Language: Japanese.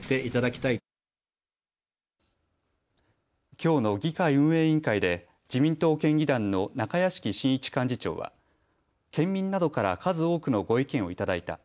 きょうの議会運営委員会で自民党県議団の中屋敷慎一幹事長は県民などから数多くのご意見をいただいた。